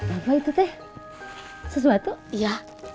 apa itu teh sesuatu iya